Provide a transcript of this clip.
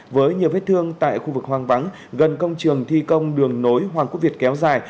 với nhiều vết thương tại khu vực hoang vắng gần công trường thi công đường nối hoàng quốc việt kéo dài